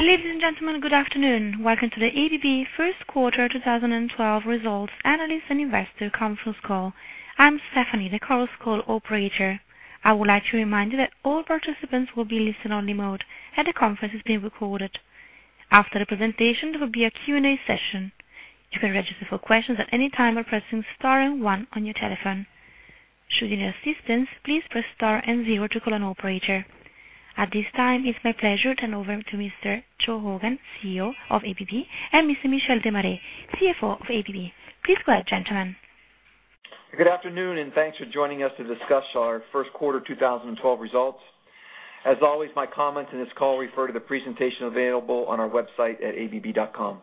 Ladies and gentlemen, good afternoon. Welcome to the ABB First Quarter 2012 Results Analyst and Investor Conference Call. I'm Stephanie, the call's operator. I would like to remind you that all participants will be listening on remote and the conference is being recorded. After the presentation, there will be a Q&A session. You can register for questions at any time by pressing star and one on your telephone. Should you need assistance, please press star and zero to call an operator. At this time, it's my pleasure to turn over to Mr. Joe Hogan, CEO of ABB, and Mr. Michel Demaré, CFO of ABB. Please go ahead, gentlemen. Good afternoon and thanks for joining us to discuss our first quarter 2012 results. As always, my comments in this call refer to the presentation available on our website at abb.com.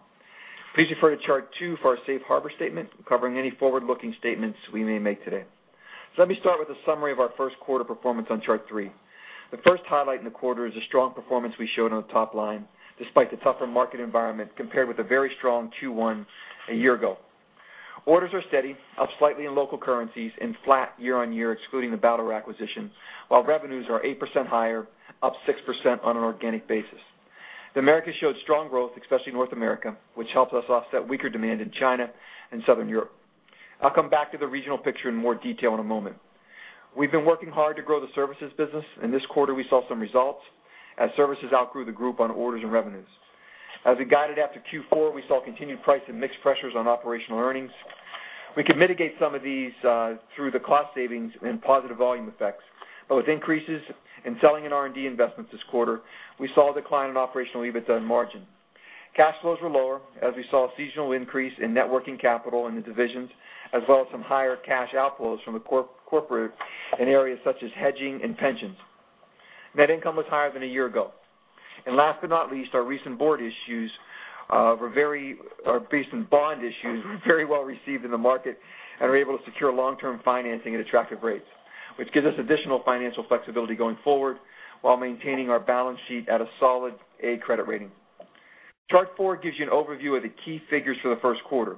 Please refer to chart two for our safe harbor statement covering any forward-looking statements we may make today. Let me start with a summary of our first quarter performance on chart three. The first highlight in the quarter is the strong performance we showed on the top line, despite the tougher market environment compared with a very strong Q1 a year ago. Orders are steady, up slightly in local currencies and flat year-on-year, excluding the Baldor acquisition, while revenues are 8% higher, up 6% on an organic basis. The Americas showed strong growth, especially North America, which helps us offset weaker demand in China and Southern Europe. I'll come back to the regional picture in more detail in a moment. We've been working hard to grow the services business, and this quarter we saw some results as services outgrew the group on orders and revenues. As we guided after Q4, we saw continued price and mix pressures on operational earnings. We could mitigate some of these through the cost savings and positive volume effects, but with increases in selling and R&D investments this quarter, we saw a decline in operational EBITDA and margin. Cash flows were lower as we saw a seasonal increase in net working capital in the divisions, as well as some higher cash outflows from the corporate in areas such as hedging and pensions. Net income was higher than a year ago. Last but not least, our recent bond issues were very well received in the market and we were able to secure long-term financing at attractive rates, which gives us additional financial flexibility going forward while maintaining our balance sheet at a solid A credit rating. Chart four gives you an overview of the key figures for the first quarter.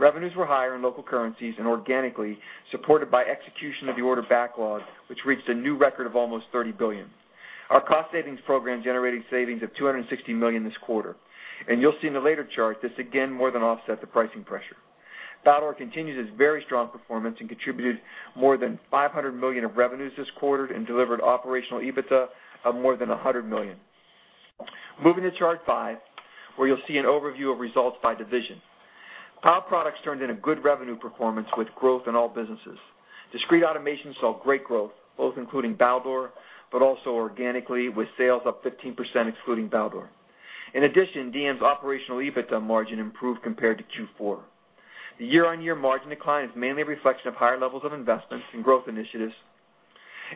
Revenues were higher in local currencies and organically, supported by execution of the order backlog, which reached a new record of almost $30 billion. Our cost savings program generated savings of $260 million this quarter, and you'll see in the later chart this again more than offset the pricing pressure. Baldor continues its very strong performance and contributed more than $500 million of revenues this quarter and delivered operational EBITDA of more than $100 million. Moving to chart five, where you'll see an overview of results by division. PAL Products turned in a good revenue performance with growth in all businesses. Discrete automation saw great growth, both including Baldor, but also organically with sales up 15% excluding Baldor. In addition, DM's operational EBITDA margin improved compared to Q4. The year-on-year margin decline is mainly a reflection of higher levels of investments and growth initiatives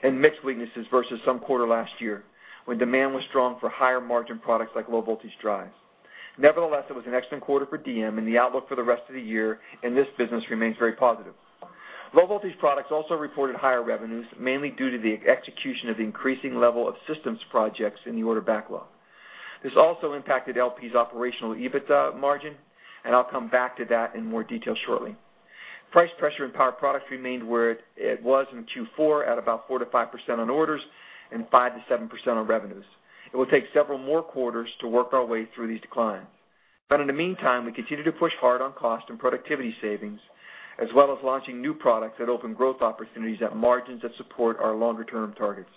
and mix weaknesses versus some quarter last year when demand was strong for higher margin products like low voltage drives. Nevertheless, it was an excellent quarter for DM, and the outlook for the rest of the year in this business remains very positive. Low voltage products also reported higher revenues, mainly due to the execution of the increasing level of systems projects in the order backlog. This also impacted LP's operational EBITDA margin, and I'll come back to that in more detail shortly. Price pressure in PAL Products remained where it was in Q4 at about 4%-5% on orders and 5%-7% on revenues. It will take several more quarters to work our way through these declines. In the meantime, we continue to push hard on cost and productivity savings, as well as launching new products that open growth opportunities at margins that support our longer-term targets.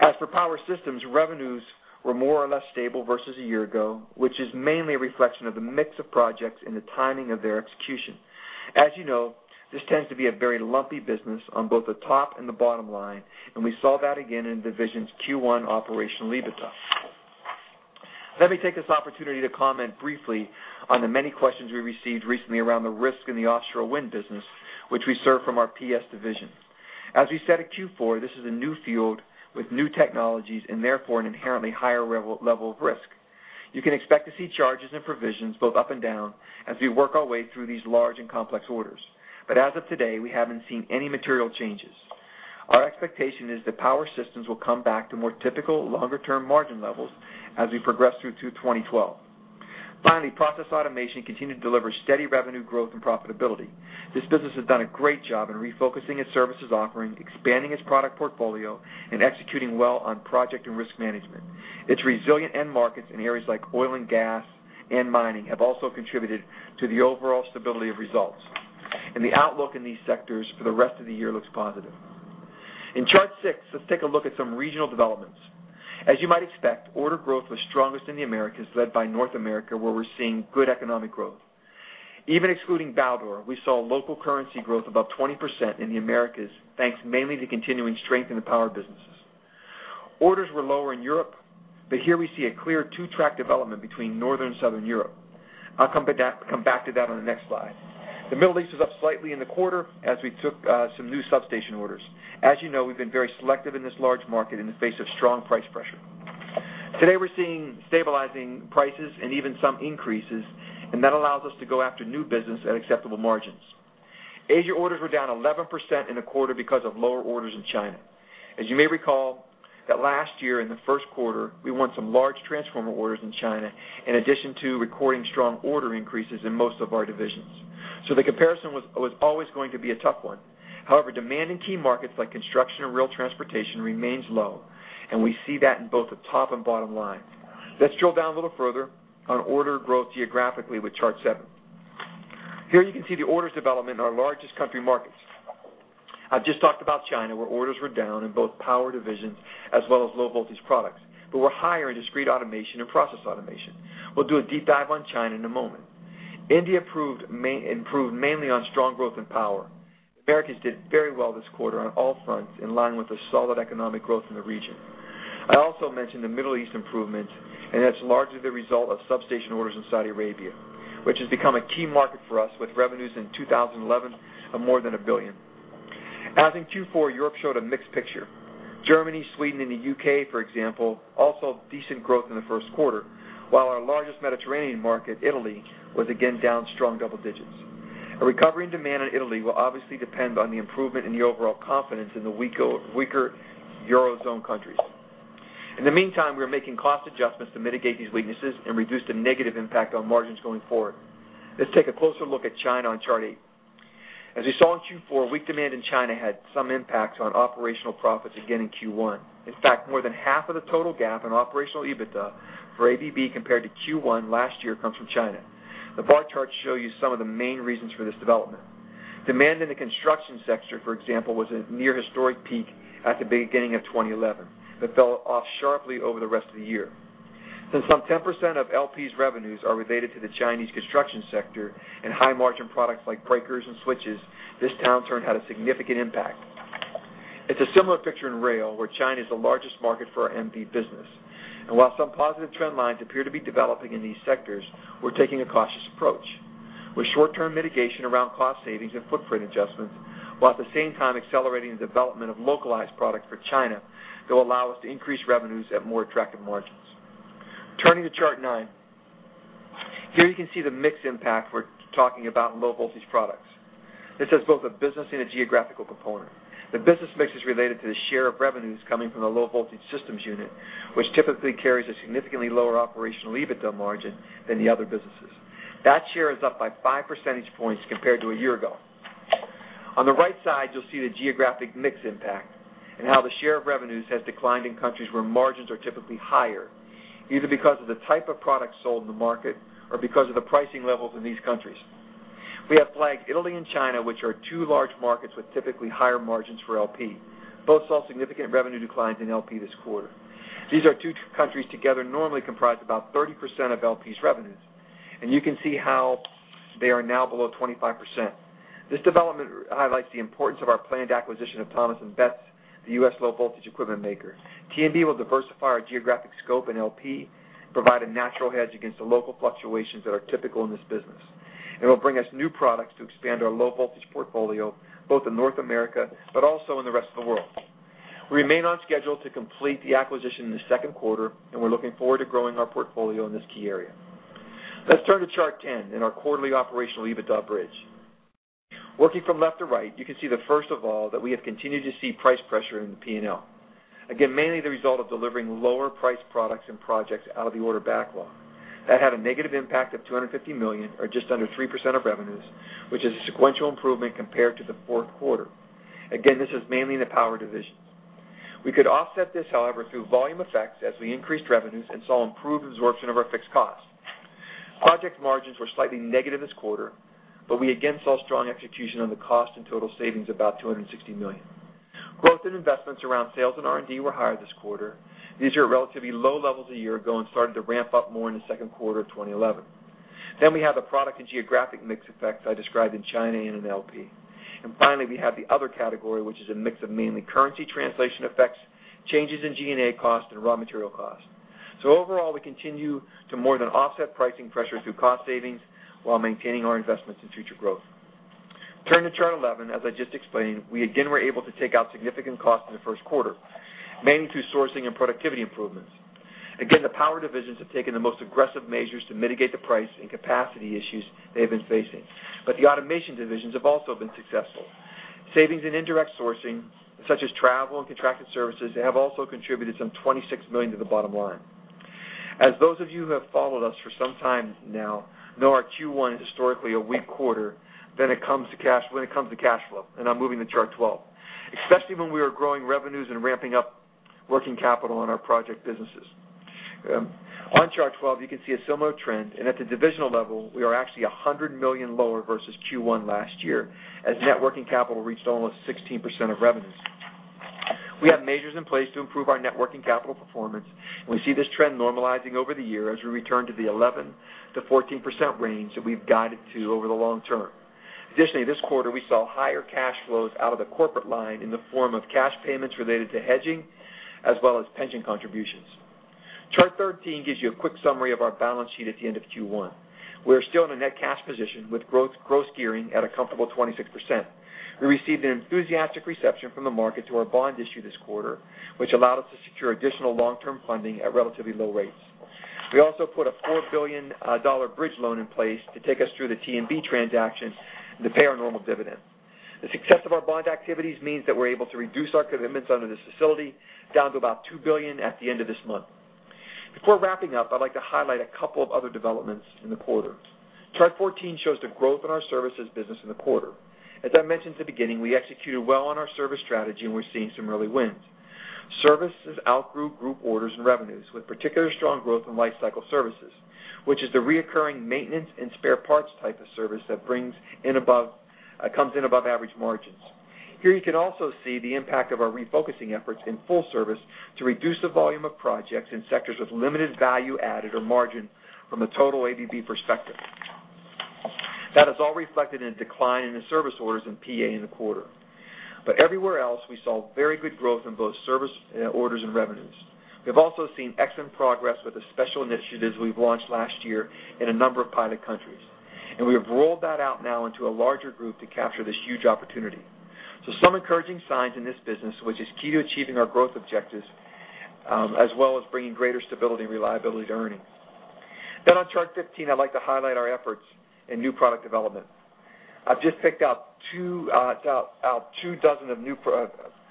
As for PAL Systems, revenues were more or less stable versus a year ago, which is mainly a reflection of the mix of projects and the timing of their execution. As you know, this tends to be a very lumpy business on both the top and the bottom line, and we saw that again in division's Q1 operational EBITDA. Let me take this opportunity to comment briefly on the many questions we received recently around the risk in the offshore wind business, which we serve from our PS division. As we said at Q4, this is a new field with new technologies and therefore an inherently higher level of risk. You can expect to see charges and provisions both up and down as we work our way through these large and complex orders. As of today, we haven't seen any material changes. Our expectation is that PAL Systems will come back to more typical longer-term margin levels as we progress through 2012. Finally, process automation continued to deliver steady revenue growth and profitability. This business has done a great job in refocusing its services offering, expanding its product portfolio, and executing well on project and risk management. Its resilient end markets in areas like oil and gas and mining have also contributed to the overall stability of results. The outlook in these sectors for the rest of the year looks positive. In chart six, let's take a look at some regional developments. As you might expect, order growth was strongest in the Americas, led by North America, where we're seeing good economic growth. Even excluding Baldor, we saw local currency growth above 20% in the Americas, thanks mainly to continuing strength in the power businesses. Orders were lower in Europe, but here we see a clear two-track development between Northern and Southern Europe. I'll come back to that on the next slide. The Middle East was up slightly in the quarter as we took some new substation orders. As you know, we've been very selective in this large market in the face of strong price pressure. Today, we're seeing stabilizing prices and even some increases, and that allows us to go after new business at acceptable margins. Asia orders were down 11% in a quarter because of lower orders in China. As you may recall, last year in the first quarter, we won some large transformer orders in China, in addition to recording strong order increases in most of our divisions. The comparison was always going to be a tough one. However, demand in key markets like construction and rail transportation remains low, and we see that in both the top and bottom lines. Let's drill down a little further on order growth geographically with chart seven. Here you can see the orders development in our largest country markets. I just talked about China, where orders were down in both power divisions as well as low voltage products, but were higher in discrete automation and process automation. We'll do a deep dive on China in a moment. India improved mainly on strong growth in power. Americas did very well this quarter on all fronts, in line with the solid economic growth in the region. I also mentioned the Middle East improvements, and that's largely the result of substation orders in Saudi Arabia, which has become a key market for us with revenues in 2011 of more than $1 billion. As in Q4, Europe showed a mixed picture. Germany, Sweden, and the UK, for example, also decent growth in the first quarter, while our largest Mediterranean market, Italy, was again down strong double digits. A recovery in demand in Italy will obviously depend on the improvement in the overall confidence in the weaker eurozone countries. In the meantime, we are making cost adjustments to mitigate these weaknesses and reduce the negative impact on margins going forward. Let's take a closer look at China on chart eight. As we saw in Q4, weak demand in China had some impacts on operational profits again in Q1. In fact, more than half of the total gap in operational EBITDA for ABB compared to Q1 last year comes from China. The bar charts show you some of the main reasons for this development. Demand in the construction sector, for example, was at a near historic peak at the beginning of 2011, but fell off sharply over the rest of the year. Since some 10% of LP's revenues are related to the Chinese construction sector and high margin products like crankers and switches, this downturn had a significant impact. It is a similar picture in rail, where China is the largest market for our MV business. While some positive trend lines appear to be developing in these sectors, we are taking a cautious approach with short-term mitigation around cost savings and footprint adjustments, while at the same time accelerating the development of localized products for China that will allow us to increase revenues at more attractive margins. Turning to chart nine, here you can see the mix impact we are talking about in low voltage products. This has both a business and a geographical component. The business mix is related to the share of revenues coming from the low voltage systems unit, which typically carries a significantly lower operational EBITDA margin than the other businesses. That share is up by 5 percentage points compared to a year ago. On the right side, you will see the geographic mix impact and how the share of revenues has declined in countries where margins are typically higher, either because of the type of products sold in the market or because of the pricing levels in these countries. We have flagged Italy and China, which are two large markets with typically higher margins for LP. Both saw significant revenue declines in LP this quarter. These two countries together normally comprised about 30% of LP's revenues, and you can see how they are now below 25%. This development highlights the importance of our planned acquisition of T&B, the U.S. low voltage T&B will diversify our geographic scope and LP provide a natural hedge against the local fluctuations that are typical in this business. It will bring us new products to expand our low voltage portfolio both in North America, but also in the rest of the world. We remain on schedule to complete the acquisition in the second quarter, and we're looking forward to growing our portfolio in this key area. Let's turn to chart 10 and our quarterly operational EBITDA bridge. Working from left to right, you can see first of all that we have continued to see price pressure in the P&L, mainly the result of delivering lower priced products and projects out of the order backlog. That had a negative impact of $250 million or just under 3% of revenues, which is a sequential improvement compared to the fourth quarter. This is mainly in the power division. We could offset this, however, through volume effects as we increased revenues and saw improved absorption of our fixed costs. Project margins were slightly negative this quarter, but we again saw strong execution on the cost and total savings of about $260 million. Growth in investments around sales and R&D were higher this quarter. These are at relatively low levels a year ago and started to ramp up more in the second quarter of 2011. We have the product and geographic mix effects I described in China and in LP. Finally, we have the other category, which is a mix of mainly currency translation effects, changes in G&A costs, and raw material costs. Overall, we continue to more than offset pricing pressure through cost savings while maintaining our investments in future growth. Turning to chart 11, as I just explained, we again were able to take out significant costs in the first quarter, mainly through sourcing and productivity improvements. The power divisions have taken the most aggressive measures to mitigate the price and capacity issues they've been facing, but the automation divisions have also been successful. Savings in indirect sourcing, such as travel and contracted services, have also contributed some $26 million to the bottom line. As those of you who have followed us for some time now know, our Q1 is historically a weak quarter when it comes to cash flow, and I'm moving to chart 12, especially when we are growing revenues and ramping up working capital on our project businesses. On chart 12, you can see a similar trend, and at the divisional level, we are actually $100 million lower versus Q1 last year as net working capital reached almost 16% of revenues. We have measures in place to improve our networking capital performance, and we see this trend normalizing over the year as we return to the 11%-14% range that we've guided to over the long term. Additionally, this quarter we saw higher cash flows out of the corporate line in the form of cash payments related to hedging, as well as pension contributions. Chart 13 gives you a quick summary of our balance sheet at the end of Q1. We are still in a net cash position with growth gearing at a comfortable 26%. We received an enthusiastic reception from the market to our bond issue this quarter, which allowed us to secure additional long-term funding at relatively low rates. We also put a $4 billion bridge loan in place to take us T&B transaction and to pay our normal dividend. The success of our bond activities means that we're able to reduce our commitments under this facility down to about $2 billion at the end of this month. Before wrapping up, I'd like to highlight a couple of other developments in the quarter. Chart 14 shows the growth in our services business in the quarter. As I mentioned at the beginning, we executed well on our service strategy, and we're seeing some early wins. Services outgrew group orders and revenues with particularly strong growth in lifecycle services, which is the recurring maintenance and spare parts type of service that comes in above average margins. Here you can also see the impact of our refocusing efforts in full service to reduce the volume of projects in sectors with limited value added or margin from the total ABB perspective. That is all reflected in a decline in the service orders and process automation in the quarter. Everywhere else, we saw very good growth in both service orders and revenues. We've also seen excellent progress with the special initiatives we've launched last year in a number of pilot countries, and we have rolled that out now into a larger group to capture this huge opportunity. There are some encouraging signs in this business, which is key to achieving our growth objectives, as well as bringing greater stability and reliability to earnings. On chart 15, I'd like to highlight our efforts in new product development.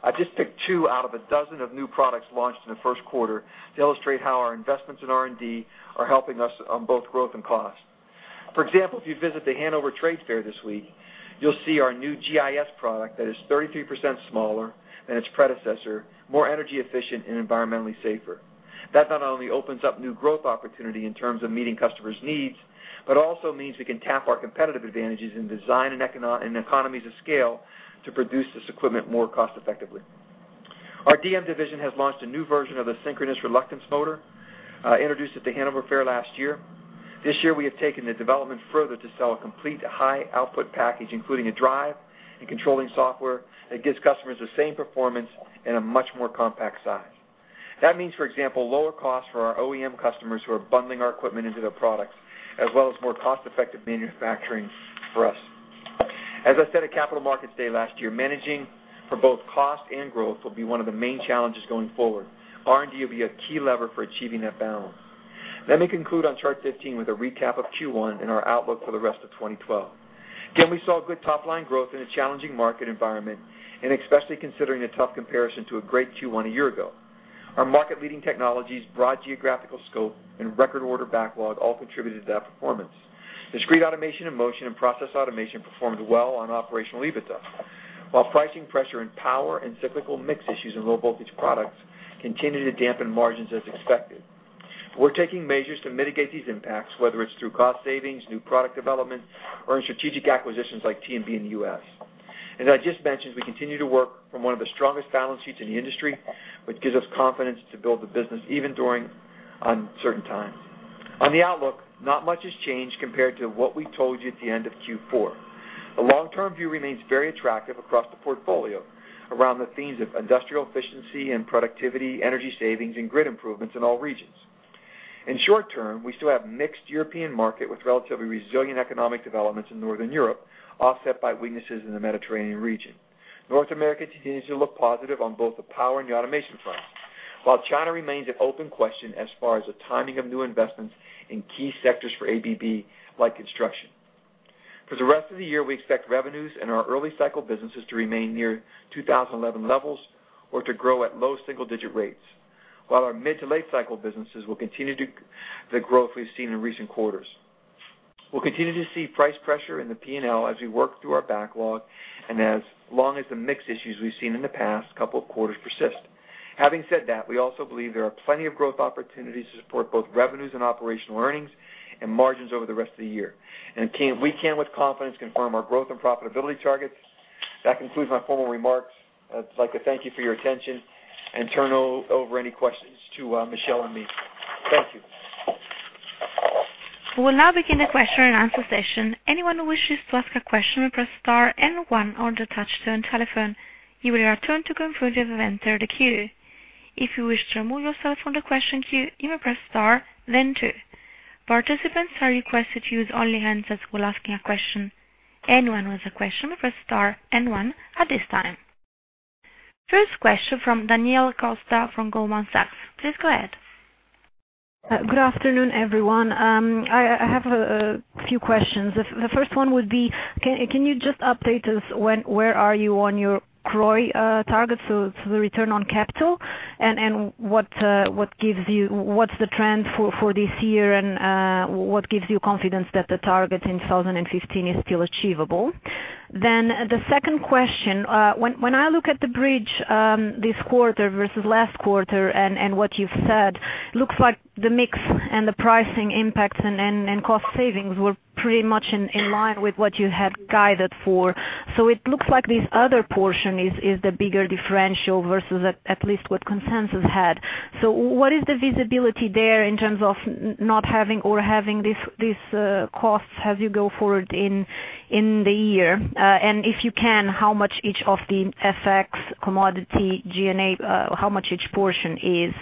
I've just picked two out of a dozen of new products launched in the first quarter to illustrate how our investments in R&D are helping us on both growth and cost. For example, if you visit the Hanover Trade Fair this week, you'll see our new GIS product that is 33% smaller than its predecessor, more energy efficient, and environmentally safer. That not only opens up new growth opportunity in terms of meeting customers' needs, but also means we can tap our competitive advantages in design and economies of scale to produce this equipment more cost effectively. Our DM division has launched a new version of the synchronous reluctance motor, introduced at the Hanover Fair last year. This year, we have taken the development further to sell a complete high output package, including a drive and controlling software that gives customers the same performance in a much more compact size. That means, for example, lower costs for our OEM customers who are bundling our equipment into their products, as well as more cost-effective manufacturing for us. As I said at Capital Markets Day last year, managing for both cost and growth will be one of the main challenges going forward. R&D will be a key lever for achieving that balance. Let me conclude on chart 15 with a recap of Q1 and our outlook for the rest of 2012. Again, we saw good top line growth in a challenging market environment, and especially considering a tough comparison to a great Q1 a year ago. Our market-leading technologies, broad geographical scope, and record order backlog all contributed to that performance. Discrete automation in motion and process automation performed well on operational EBITDA, while pricing pressure and power and cyclical mix issues in low voltage products continue to dampen margins as expected. We're taking measures to mitigate these impacts, whether it's through cost savings, new product development, or in strategic acquisitions like T&B in U.S. I just mentioned, we continue to work from one of the strongest balance sheets in the industry, which gives us confidence to build the business even during uncertain times. On the outlook, not much has changed compared to what we told you at the end of Q4. A long-term view remains very attractive across the portfolio around the themes of industrial efficiency and productivity, energy savings, and grid improvements in all regions. In the short term, we still have a mixed European market with relatively resilient economic developments in Northern Europe, offset by weaknesses in the Mediterranean region. North America continues to look positive on both the power and the automation front, while China remains an open question as far as the timing of new investments in key sectors for ABB like construction. For the rest of the year, we expect revenues in our early cycle businesses to remain near 2011 levels or to grow at low single-digit rates, while our mid to late cycle businesses will continue to grow as we've seen in recent quarters. We will continue to see price pressure in the P&L as we work through our backlog and as long as the mix issues we've seen in the past couple of quarters persist. Having said that, we also believe there are plenty of growth opportunities to support both revenues and operational earnings and margins over the rest of the year. We can, with confidence, confirm our growth and profitability targets. That concludes my formal remarks. I'd like to thank you for your attention and turn over any questions to Michel and me. Thank you. We will now begin the question and answer session. Anyone who wishes to ask a question may press star and one on the touch tone telephone. You will return to confirm you have entered the queue. If you wish to remove yourself from the question queue, you may press star, then two. Participants are requested to use only hands at school asking a question. Anyone who has a question may press star and one at this time. First question from Daniela Costa from Goldman Sachs. Please go ahead. Good afternoon, everyone. I have a few questions. The first one would be, can you just update us where are you on your CROI targets? So it's the return on capital. What gives you, what's the trend for this year and what gives you confidence that the target in 2015 is still achievable? The second question, when I look at the bridge this quarter versus last quarter and what you've said, it looks like the mix and the pricing impacts and cost savings were pretty much in line with what you had guided for. It looks like this other portion is the bigger differential versus at least what consensus had. What is the visibility there in terms of not having or having these costs as you go forward in the year? If you can, how much each of the FX, commodity, G&A, how much each portion is?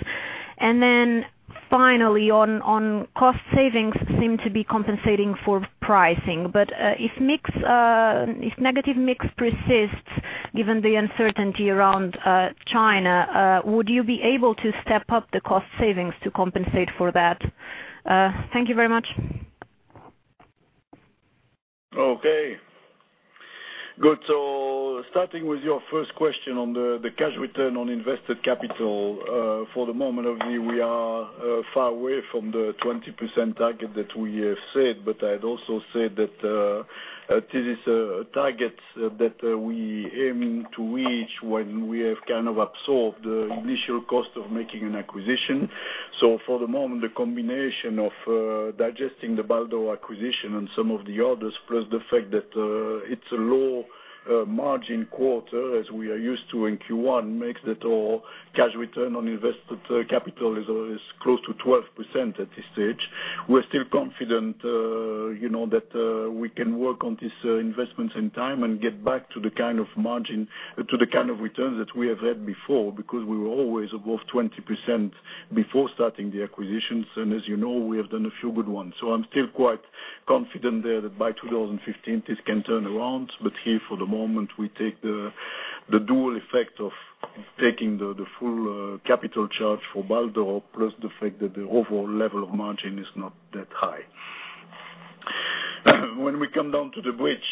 Finally, on cost savings, seem to be compensating for pricing. If negative mix persists, given the uncertainty around China, would you be able to step up the cost savings to compensate for that? Thank you very much. Okay. Good. Starting with your first question on the cash return on invested capital, from the moment of view, we are far away from the 20% target that we have set, but I had also said that this is a target that we aim to reach when we have kind of absorbed the initial cost of making an acquisition. For the moment, the combination of digesting the Baldor acquisition and some of the others, plus the fact that it's a low margin quarter as we are used to in Q1, makes that our cash return on invested capital is close to 12% at this stage. We're still confident, you know, that we can work on these investments in time and get back to the kind of margin, to the kind of returns that we have had before because we were always above 20% before starting the acquisitions. As you know, we have done a few good ones. I'm still quite confident there that by 2015, this can turn around. Here for the moment, we take the dual effect of taking the full capital charge for Baldor plus the fact that the overall level of margin is not that high. When we come down to the bridge,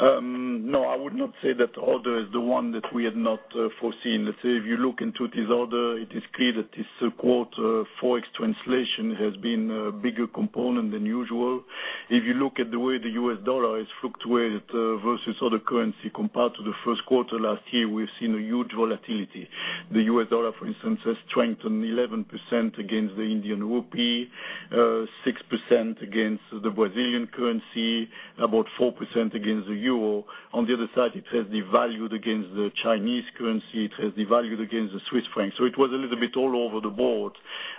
no, I would not say that order is the one that we had not foreseen. If you look into this order, it is clear that this quarter forex translation has been a bigger component than usual. If you look at the way the U.S. dollar has fluctuated versus other currency compared to the first quarter last year, we've seen a huge volatility. The U.S. dollar, for instance, has strengthened 11% against the Indian rupee, 6% against the Brazilian currency, about 4% against the euro. On the other side, it has devalued against the Chinese currency. It has devalued against the Swiss francs. It was a little bit all over the board.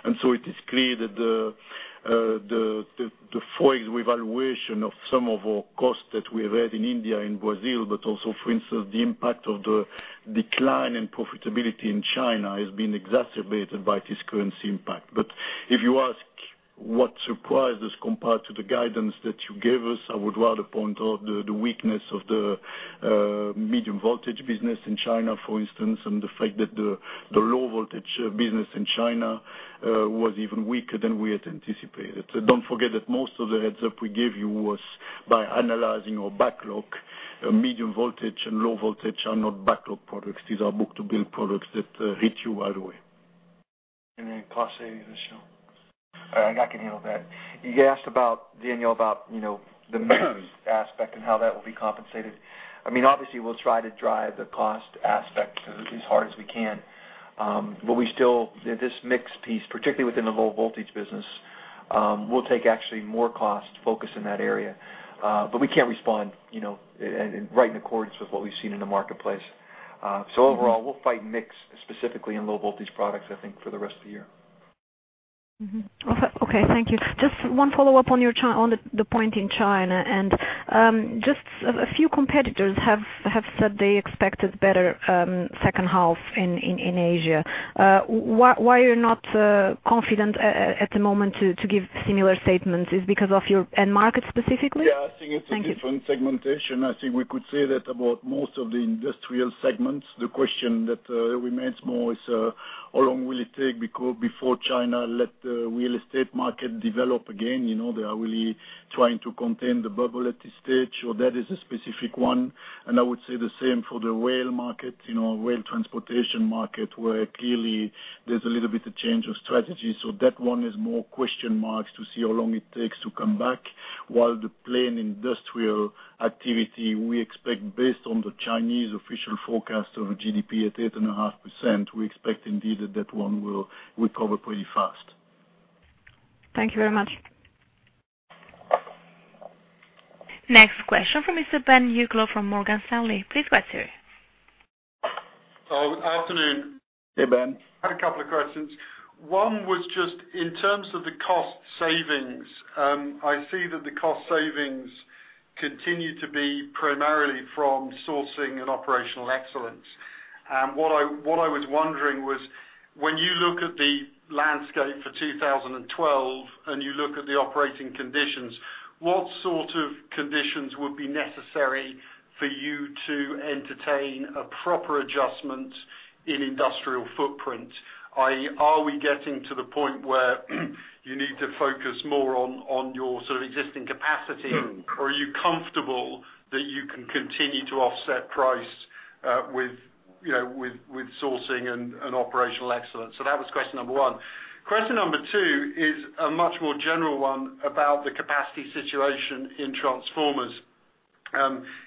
It is clear that the forex revaluation of some of our costs that we read in India and Brazil, but also, for instance, the impact of the decline in profitability in China has been exacerbated by this currency impact. If you ask what surprised us compared to the guidance that you gave us, I would rather point out the weakness of the medium voltage business in China, for instance, and the fact that the low voltage business in China was even weaker than we had anticipated. Don't forget that most of the heads up we gave you was by analyzing our backlog. Medium voltage and low voltage are not backlog products. These are book-to-bill products that hit you right away. Cost savings, Michel. I can handle that. You asked about Daniela, about, you know, the moves aspect and how that will be compensated. I mean, obviously, we'll try to drive the cost aspect as hard as we can. We still, this mix piece, particularly within the low voltage business, will take actually more cost focus in that area. We can't respond, you know, right in accordance with what we've seen in the marketplace. Overall, we'll fight mix specifically in low voltage products, I think, for the rest of the year. Okay. Thank you. Just one follow-up on your chat on the point in China. Just a few competitors have said they expected better second half in Asia. Why are you not confident at the moment to give similar statements? Is it because of your end market specifically? Yeah. I think it's a different segmentation. I think we could say that about most of the industrial segments. The question that remains more is how long will it take before China lets the real estate market develop again? You know, they are really trying to contain the bubble at this stage. That is a specific one. I would say the same for the rail market, you know, rail transportation market where clearly there's a little bit of change of strategy. That one is more question marks to see how long it takes to come back. While the plain industrial activity, we expect, based on the Chinese official forecast of GDP at 8.5%, we expect indeed that that one will recover pretty fast. Thank you very much. Next question from Mr. Ben Uglow from Morgan Stanley. Please go ahead. Afternoon. Hey, Ben. I had a couple of questions. One was just in terms of the cost savings. I see that the cost savings continue to be primarily from sourcing and operational excellence. What I was wondering was when you look at the landscape for 2012 and you look at the operating conditions, what sort of conditions would be necessary for you to entertain a proper adjustment in industrial footprint? Are we getting to the point where you need to focus more on your sort of existing capacity, or are you comfortable that you can continue to offset price with, you know, with sourcing and operational excellence? That was question number one. Question number two is a much more general one about the capacity situation in transformers.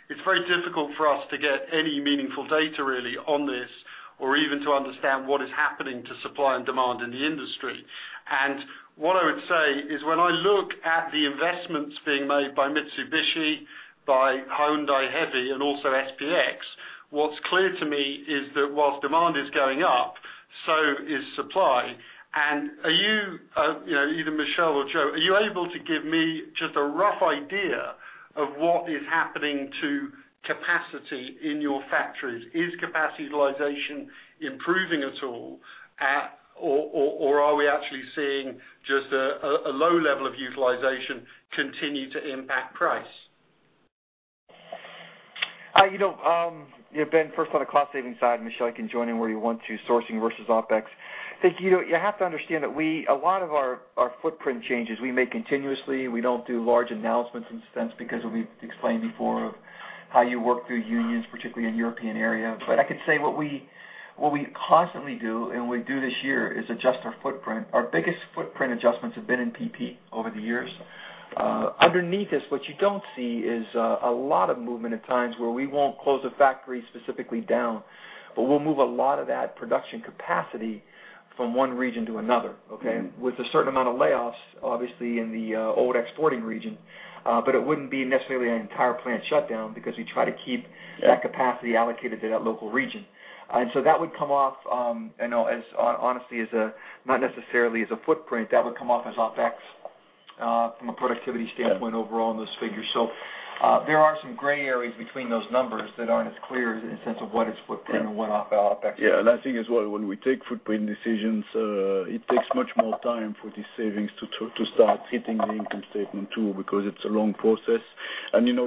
It's very difficult for us to get any meaningful data really on this or even to understand what is happening to supply and demand in the industry. What I would say is when I look at the investments being made by Mitsubishi, by Hyundai Heavy, and also SPX, what's clear to me is that whilst demand is going up, so is supply. Are you, you know, either Michel or Joe, able to give me just a rough idea of what is happening to capacity in your factories? Is capacity utilization improving at all, or are we actually seeing just a low level of utilization continue to impact price? You know, Ben, first on the cost savings side, and Michel, I can join in where you want to, sourcing versus OpEx. I think you have to understand that a lot of our footprint changes, we make continuously. We don't do large announcements in the sense because we've explained before how you work through unions, particularly in the European area. I could say what we constantly do and we do this year is adjust our footprint. Our biggest footprint adjustments have been in PP over the years. Underneath this, what you don't see is a lot of movement at times where we won't close the factory specifically down, but we'll move a lot of that production capacity from one region to another, with a certain amount of layoffs, obviously, in the old exporting region. It wouldn't be necessarily an entire plant shutdown because we try to keep that capacity allocated to that local region. That would come off, honestly, not necessarily as a footprint, that would come off as OpEx from a productivity standpoint overall in those figures. There are some gray areas between those numbers that aren't as clear in the sense of what is footprint and what OpEx. Yeah. I think as well, when we take footprint decisions, it takes much more time for these savings to start hitting the income statement too because it's a long process.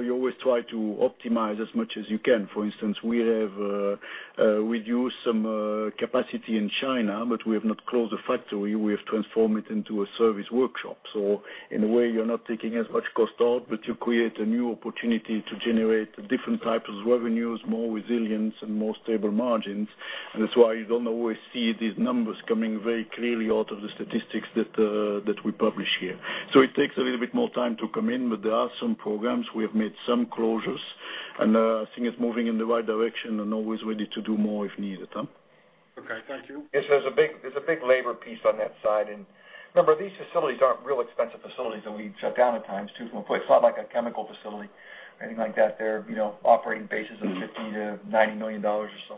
You always try to optimize as much as you can. For instance, we have reduced some capacity in China, but we have not closed the factory. We have transformed it into a service workshop. In a way, you're not taking as much cost out, but you create a new opportunity to generate different types of revenues, more resilience, and more stable margins. That's why you don't always see these numbers coming very clearly out of the statistics that we publish here. It takes a little bit more time to come in, but there are some programs. We have made some closures. I think it's moving in the right direction and always ready to do more if needed. Okay, thank you. It's a big labor piece on that side. Remember, these facilities aren't real expensive facilities that we shut down at times, too. It's not like a chemical facility or anything like that. They're operating bases of $50 million-$90 million or so.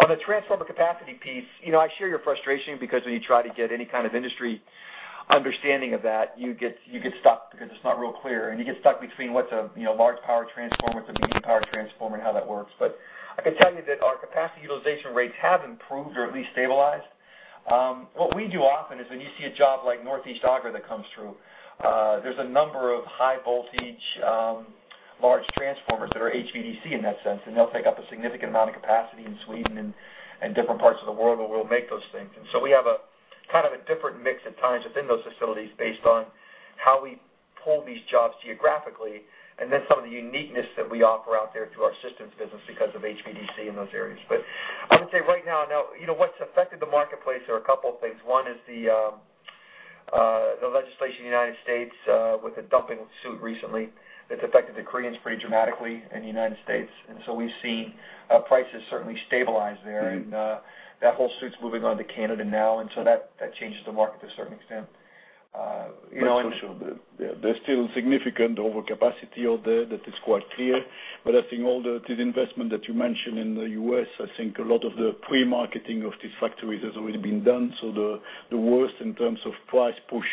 On the transformer capacity piece, I share your frustration because when you try to get any kind of industry understanding of that, you get stuck because it's not real clear. You get stuck between what's a large power transformer to medium power transformer and how that works. I can tell you that our capacity utilization rates have improved or at least stabilized. What we do often is when you see a job like Northeast Agro that comes through, there's a number of high voltage, large transformers that are HVDC in that sense. They'll take up a significant amount of capacity in Sweden and different parts of the world where we'll make those things. We have a kind of a different mix at times within those facilities based on how we pull these jobs geographically and then some of the uniqueness that we offer out there through our systems business because of HVDC in those areas. I would say right now what's affected the marketplace are a couple of things. One is the legislation in the U.S. with a dumping suit recently that's affected the Koreans pretty dramatically in the U.S. We've seen prices certainly stabilize there. That whole suit's moving on to Canada now. That changes the market to a certain extent. Social, but they're still insignificant over capacity all day. That is quite clear. I think all the investment that you mentioned in the U.S., I think a lot of the pre-marketing of these factories has already been done. The worst in terms of price push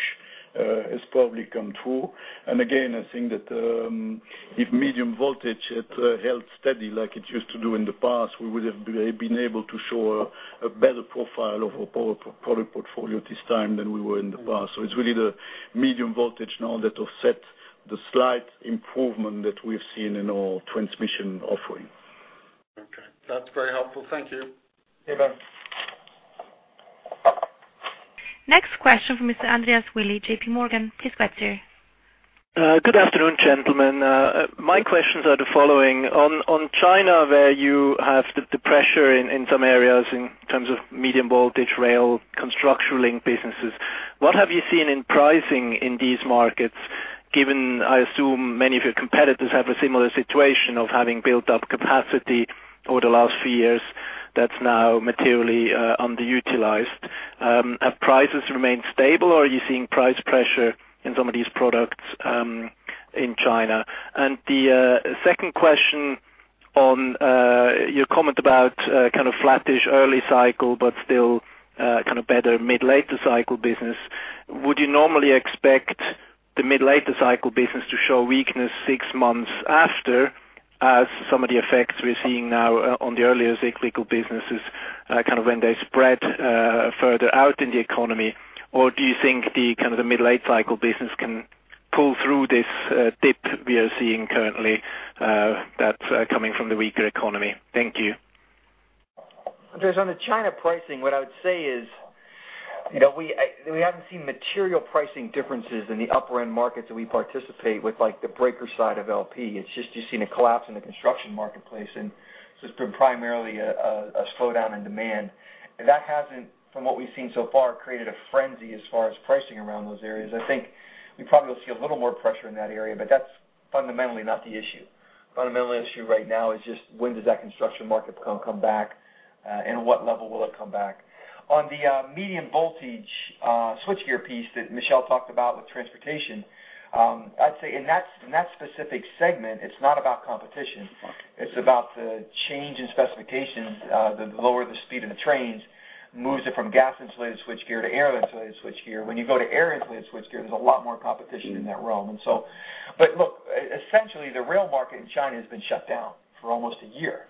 has probably come through. I think that if medium voltage had held steady like it used to do in the past, we would have been able to show a better profile of our product portfolio this time than we were in the past. It is really the medium voltage now that offsets the slight improvement that we've seen in our transmission offering. Okay. That's very helpful. Thank you. Yeah, Ben. Next question from Mr. Andreas Willi, JPMorgan. Please go ahead. Good afternoon, gentlemen. My questions are the following. On China, where you have the pressure in some areas in terms of medium voltage rail construction link businesses, what have you seen in pricing in these markets, given I assume many of your competitors have a similar situation of having built up capacity over the last few years that's now materially underutilized? Have prices remained stable, or are you seeing price pressure in some of these products in China? The second question on your comment about kind of flattish early cycle, but still kind of better mid-later cycle business, would you normally expect the mid-later cycle business to show weakness six months after as some of the effects we're seeing now on the earlier cyclical businesses kind of when they spread further out in the economy? Do you think the kind of the mid-late cycle business can pull through this dip we are seeing currently that's coming from the weaker economy? Thank you. Andreas, on the China pricing, what I would say is, you know, we haven't seen material pricing differences in the upper-end markets that we participate with, like the breaker side of LP. It's just you've seen a collapse in the construction marketplace. It's been primarily a slowdown in demand, and that hasn't, from what we've seen so far, created a frenzy as far as pricing around those areas. I think we probably will see a little more pressure in that area, but that's fundamentally not the issue. The fundamental issue right now is just when does that construction market come back and at what level will it come back? On the medium voltage switchgear piece that Michel talked about with transportation, I'd say in that specific segment, it's not about competition. It's about the change in specifications. The lower the speed of the trains moves it from gas-insulated switchgear to air-insulated switchgear. When you go to air-insulated switchgear, there's a lot more competition in that realm. Essentially, the rail market in China has been shut down for almost a year.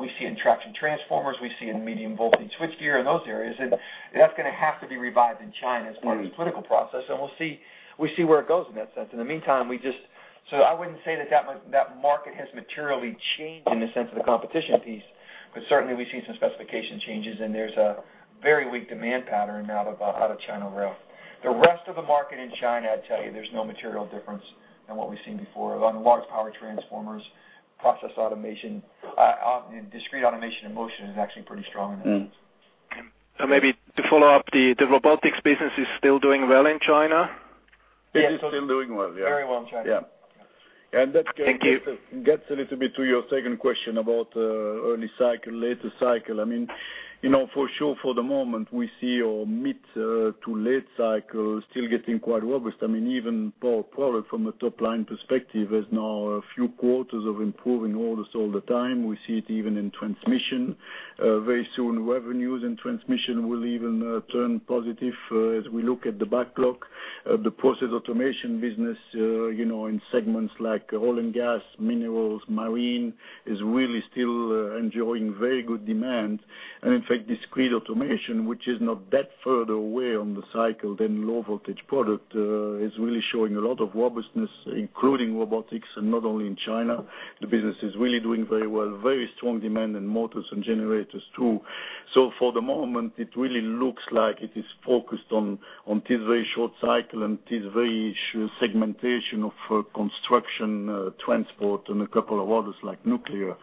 We see it in traction transformers. We see it in medium voltage switchgear in those areas, and that's going to have to be revived in China as part of the political process. We'll see where it goes in that sense. In the meantime, I wouldn't say that market has materially changed in the sense of the competition piece, but certainly, we've seen some specification changes and there's a very weak demand pattern now out of China rail. The rest of the market in China, I'd tell you, there's no material difference than what we've seen before. On the large power transformers, process automation, often in discrete automation in motion is actually pretty strong. The robotics business is still doing well in China. It is still doing well, yeah. Very well in China. Yeah, yeah, and that's good. Thank you. That gets a little bit to your second question about early cycle, later cycle. For sure, for the moment, we see our mid to late cycle still getting quite robust. Even power product from a top line perspective has now a few quarters of improving orders all the time. We see it even in transmission. Very soon, revenues in transmission will even turn positive as we look at the backlog. The process automation business, in segments like oil and gas, minerals, marine, is really still enjoying very good demand. In fact, discrete automation, which is not that further away on the cycle than low voltage products, is really showing a lot of robustness, including robotics, and not only in China. The business is really doing very well. Very strong demand in motors and generators too. For the moment, it really looks like it is focused on this very short cycle and this very segmentation of construction, transport, and a couple of others like nuclear.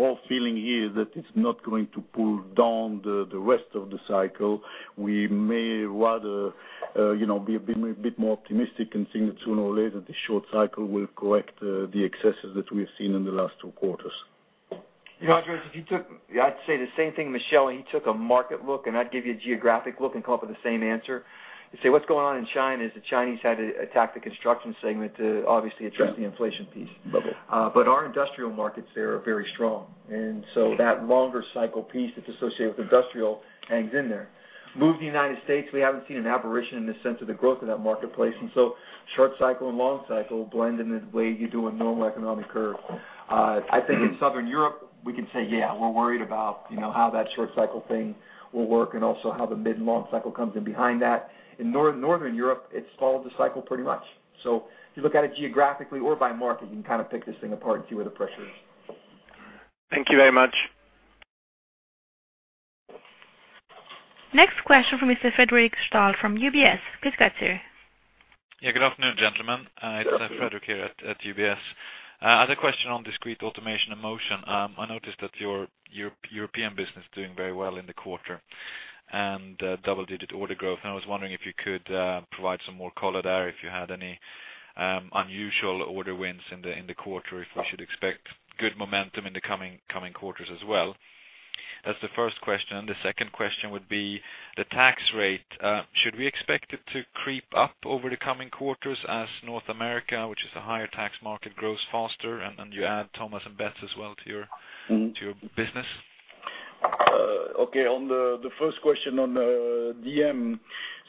Our feeling here is that it's not going to pull down the rest of the cycle. We may rather be a bit more optimistic and think that sooner or later this short cycle will correct the excesses that we have seen in the last two quarters. You know, Andreas, if you took, I'd say the same thing, Michel. He took a market look, and I'd give you a geographic look and come up with the same answer. You say, what's going on in China is the Chinese had to attack the construction segment to obviously address the inflation piece. Our industrial markets there are very strong, and that longer cycle piece that's associated with industrial hangs in there. Move to the United States, we haven't seen an apparition in the sense of the growth of that marketplace. Short cycle and long cycle blend into the way you do a normal economic curve. I think in Southern Europe, we can say, yeah, we're worried about how that short cycle thing will work and also how the mid and long cycle comes in behind that. In Northern Europe, it's followed the cycle pretty much. If you look at it geographically or by market, you can kind of pick this thing apart and see where the pressure is. Thank you very much. Next question from Mr. Fredric Stahl from UBS. Please go ahead. Yeah, good afternoon, gentlemen. It's Frederic here at UBS. I had a question on discrete automation in motion. I noticed that your European business is doing very well in the quarter and double-digit order growth. I was wondering if you could provide some more color there, if you had any unusual order wins in the quarter, if we should expect good momentum in the coming quarters as well. That's the first question. The second question would be the tax rate. Should we expect it to creep up over the coming quarters as North America, which is a higher tax market, grows faster? You add T&B as well to your business. Okay. On the first question on DM.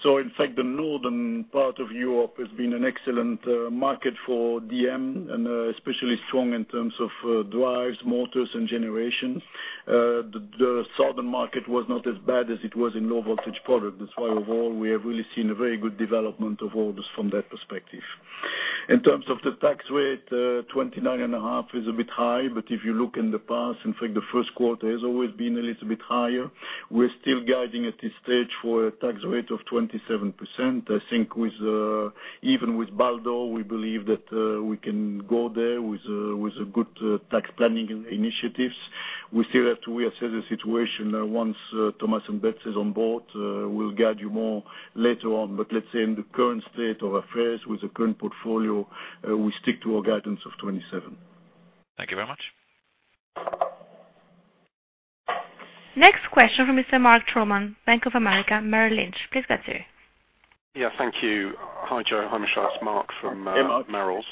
In fact, the northern part of Europe has been an excellent market for DM and especially strong in terms of drives, motors, and generation. The southern market was not as bad as it was in low voltage products. That's why overall we have really seen a very good development of orders from that perspective. In terms of the tax rate, 29.5% is a bit high, but if you look in the past, in fact, the first quarter has always been a little bit higher. We're still guiding at this stage for a tax rate of 27%. I think even with Baldor, we believe that we can go there with good tax planning initiatives. We still have to reassess the situation once T&B is on board. We'll guide you more later on. In the current state of affairs with the current portfolio, we stick to our guidance of 27%. Thank you very much. Next question from Mr. Mark Troman, Bank of America Merrill Lynch. Please go ahead. Yeah, thank you. Hi, Joe. Hi, Michel. It's Mark from Merrills.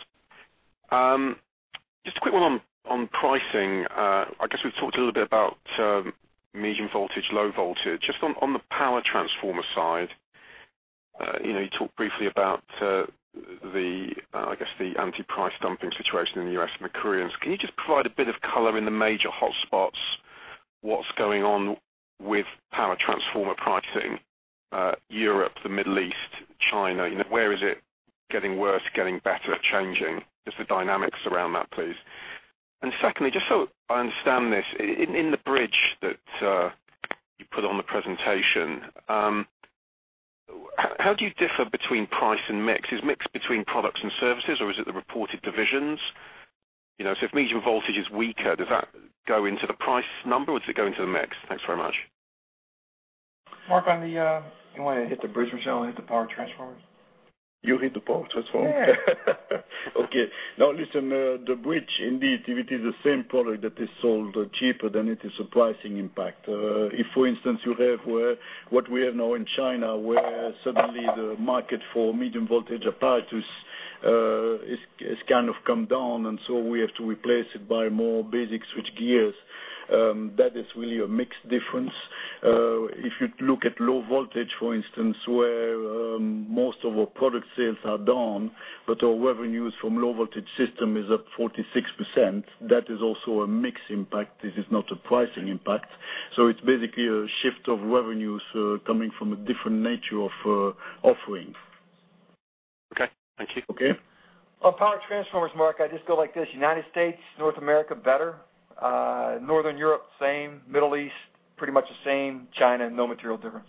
Just a quick one on pricing. I guess we've talked a little bit about medium voltage, low voltage. Just on the power transformer side, you know, you talked briefly about, I guess, the anti-price dumping situation in the U.S. and the Koreans. Can you just provide a bit of color in the major hotspots? What's going on with power transformer pricing? Europe, the Middle East, China, you know, where is it getting worse, getting better, changing? Just the dynamics around that, please. Secondly, just so I understand this, in the bridge that you put on the presentation, how do you differ between price and mix? Is mix between products and services, or is it the reported divisions? You know, so if medium voltage is weaker, does that go into the price number, or does it go into the mix? Thanks very much. progressing relative to your expectations? You want to hit the bridge, Michel, and hit the power transformers? You hit the power transformers. Okay. No, listen, the bridge, indeed, if it is the same product that is sold cheaper, then it is a pricing impact. If, for instance, you have what we have now in China, where suddenly the market for medium voltage appliances has kind of come down, and we have to replace it by more basic switchgears, that is really a mix difference. If you look at low voltage, for instance, where most of our product sales are down, but our revenues from low voltage systems are up 46%, that is also a mix impact. This is not a pricing impact. It is basically a shift of revenues coming from a different nature of offerings. Okay, thank you. Okay. On power transformers, Mark, I just go like this: United States, North America, better. Northern Europe, same. Middle East, pretty much the same. China, no material difference.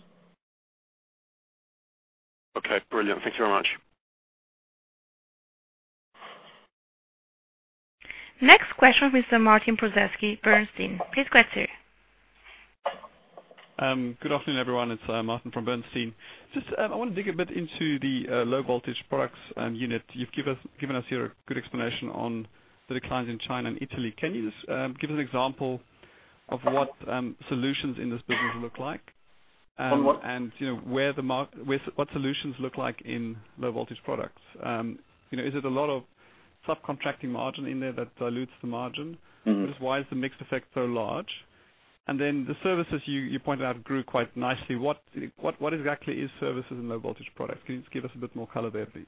Okay. Brilliant. Thank you very much. Next question from Mr. Martin Prozesky, Bernstein. Please go ahead. Good afternoon, everyone. It's Martin from Bernstein. I want to dig a bit into the low voltage products unit. You've given us here a good explanation on the declines in China and Italy. Can you just give us an example of what solutions in this business look like and where the market, what solutions look like in low voltage products? Is it a lot of subcontracting margin in there that dilutes the margin? Why is the mix effect so large? The services you pointed out grew quite nicely. What exactly is services in low voltage products? Can you just give us a bit more color there, please?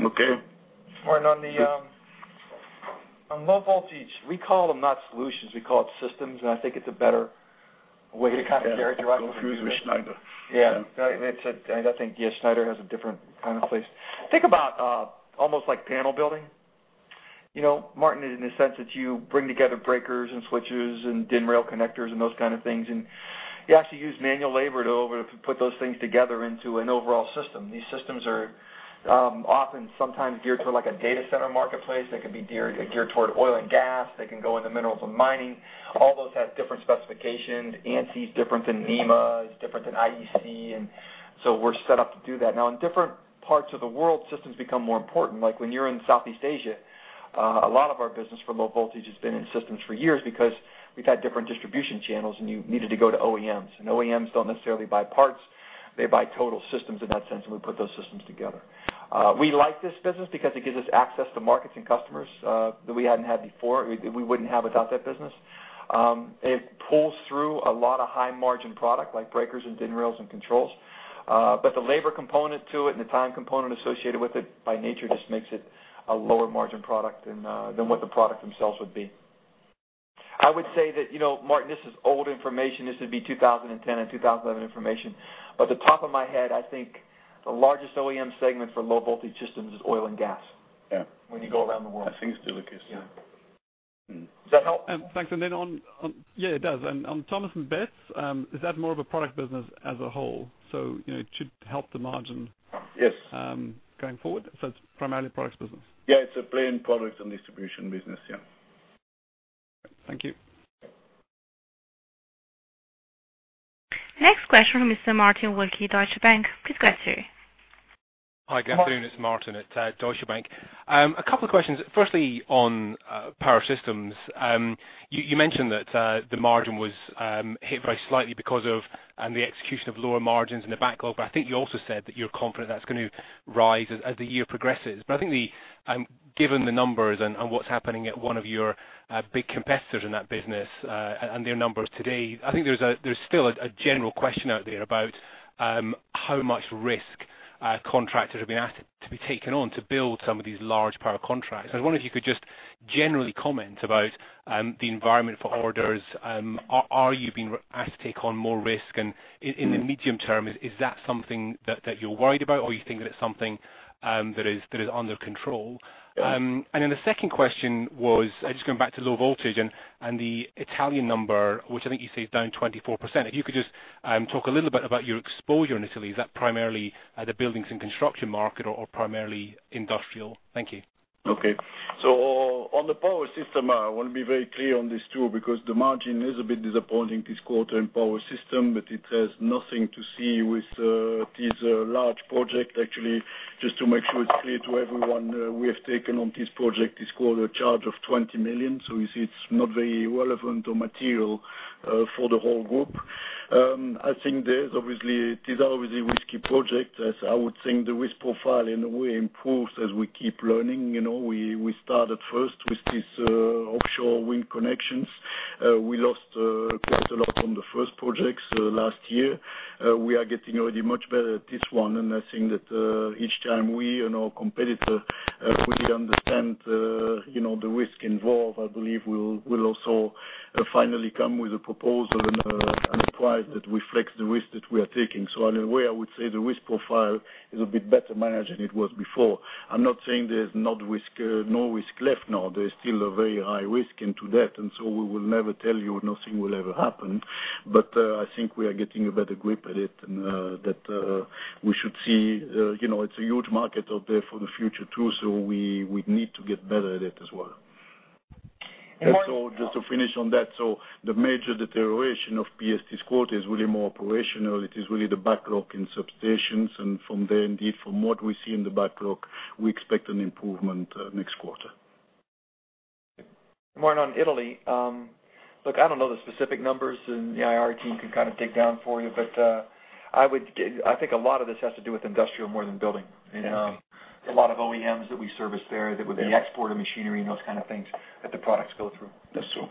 Okay. On the low voltage, we call them not solutions. We call it systems. I think it's a better way to kind of narrow it down. Yeah, I don't know if you use Schneider. Yeah. I think, yeah, Schneider has a different kind of place. Think about almost like panel building, you know, Martin, in the sense that you bring together breakers and switches and DIN rail connectors and those kinds of things. You actually use manual labor to put those things together into an overall system. These systems are often sometimes geared toward like a data center marketplace. They could be geared toward oil and gas. They can go in the middle of mining. All those have different specifications. ANSI is different than NEMA is different than IEC. We're set up to do that. In different parts of the world, systems become more important. When you're in Southeast Asia, a lot of our business for low voltage has been in systems for years because we've had different distribution channels and you needed to go to OEMs. OEMs don't necessarily buy parts. They buy total systems in that sense, and we put those systems together. We like this business because it gives us access to markets and customers that we hadn't had before. We wouldn't have without that business. It pulls through a lot of high-margin product like breakers and DIN rails and controls. The labor component to it and the time component associated with it by nature just makes it a lower margin product than what the products themselves would be. I would say that, you know, Martin, this is old information. This would be 2010 and 2011 information. At the top of my head, I think the largest OEM segment for low voltage systems is oil and gas. Yeah, when you go around the world. I think it's still the case. Yeah, does that help? Thanks. Yeah, it does. On T&B, is that more of a product business as a whole? It should help the margin. Yes. Going forward, it's primarily a products business. Yeah, it's a planned product and distribution business. Thank you. Next question from Mr. Martin Wilkie, Deutsche Bank. Please go ahead. Hi, good afternoon, Mr. Martin at Deutsche Bank. A couple of questions. Firstly, on power systems, you mentioned that the margin was hit very slightly because of the execution of lower margins and the backlog. I think you also said that you're confident that's going to rise as the year progresses. Given the numbers and what's happening at one of your big competitors in that business and their numbers today, I think there's still a general question out there about how much risk contractors are being asked to be taken on to build some of these large power contracts. I wonder if you could just generally comment about the environment for orders. Are you being asked to take on more risk? In the medium term, is that something that you're worried about, or do you think that it's something that is under control? The second question was, just going back to low voltage and the Italian number, which I think you say is down 24%. If you could just talk a little bit about your exposure in Italy, is that primarily the buildings and construction market or primarily industrial? Thank you. Okay. On the power system, I want to be very clear on this too because the margin is a bit disappointing this quarter in power system, but it has nothing to do with these large projects. Actually, just to make sure it's clear to everyone, we have taken on this project this quarter a charge of $20 million. You see, it's not very relevant or material for the whole group. I think these are obviously risky projects. I would think the risk profile in a way improves as we keep learning. We started first with these offshore wind connections. We lost quite a lot on the first projects last year. We are getting already much better at this one. I think that each time we and our competitor really understand the risk involved, I believe we'll also finally come with a proposal and strive that reflects the risk that we are taking. In a way, I would say the risk profile is a bit better managed than it was before. I'm not saying there's no risk left now. There's still a very high risk into that. We will never tell you nothing will ever happen. I think we are getting a better grip at it and that we should see it's a huge market out there for the future too. We need to get better at it as well. Just to finish on that, the major deterioration of power systems this quarter is really more operational. It is really the backlog in substations. From there, indeed, from what we see in the backlog, we expect an improvement next quarter. On Italy, I don't know the specific numbers and the IR team could dig down for you, but I think a lot of this has to do with industrial more than building. A lot of OEMs that we service there would be exporting machinery and those kinds of things that the products go through. That's true.